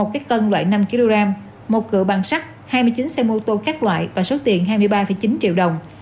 một cái tân loại năm kg một cửa bằng sắt hai mươi chín xe mô tô các loại và số tiền hai mươi ba chín triệu đồng